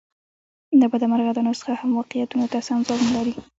له بده مرغه دا نسخه هم واقعیتونو ته سم ځواب نه لري.